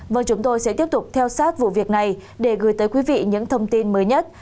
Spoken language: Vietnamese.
vâng chúng tôi sẽ tiếp tục theo sát vụ việc này để gửi tới quý vị những thông tin mới nhất